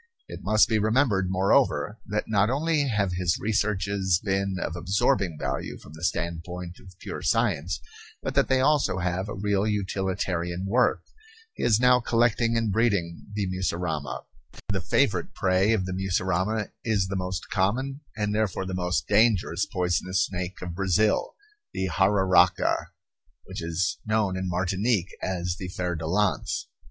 It must be remembered, moreover, that not only have his researches been of absorbing value from the standpoint of pure science but that they also have a real utilitarian worth. He is now collecting and breeding the mussurama. The favorite prey of the mussurama is the most common and therefore the most dangerous poisonous snake of Brazil, the jararaca, which is known in Martinique as the fer de lance.